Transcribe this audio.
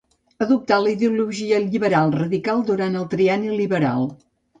Adoptà la ideologia liberal radical durant el trienni liberal.